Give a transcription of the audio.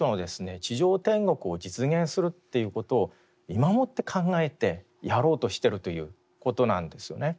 地上天国を実現するっていうことを今もって考えてやろうとしてるということなんですよね。